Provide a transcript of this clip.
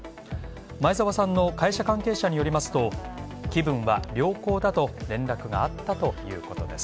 前澤さんの会社関係者によりますと「気分は良好だ」と連絡があったということです。